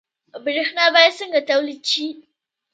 برښنا باید څنګه تولید شي؟